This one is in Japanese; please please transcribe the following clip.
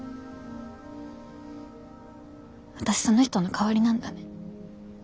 私その人の代わりなんだね。